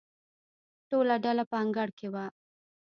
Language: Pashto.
ټوله ډله په انګړ کې وه.